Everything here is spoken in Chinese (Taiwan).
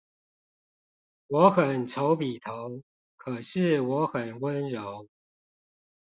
我很醜比頭，可是我很溫柔